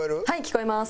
聞こえます。